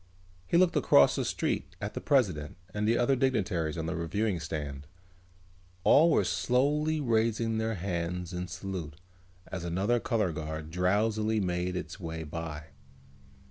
He looked across the street at the president and the other dignitaries on the reviewing stand. All were slowly raising their hands in salute as another color guard drowsily made its way by.